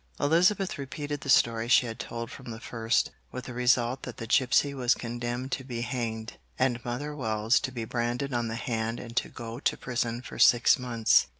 Elizabeth repeated the story she had told from the first, with the result that the gipsy was condemned to be hanged, and Mother Wells to be branded on the hand and to go to prison for six months.